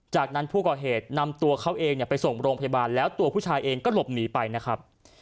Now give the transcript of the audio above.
จากนั้นผู้ก่อเหตุนำตัวเขาเองไปส่งโรงพยาบาลแล้วตัวผู้ชายเองก็หลบหนีไปนะครับ